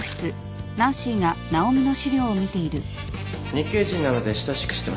日系人なので親しくしてました。